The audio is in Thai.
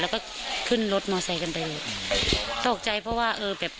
แล้วก็ขึ้นรถมอไซค์กันไปเลยตกใจเพราะว่าเออแบบ